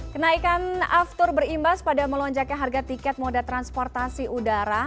kenaikan aftur berimbas pada melonjaknya harga tiket moda transportasi udara